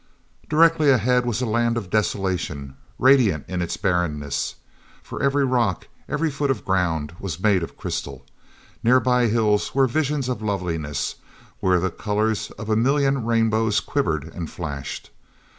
Directly ahead was a land of desolation, radiant in its barrenness. For every rock, every foot of ground, was made of crystal. Nearby hills were visions of loveliness where the colors of a million rainbows quivered and flashed.